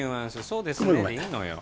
「そうですね」でいいのよ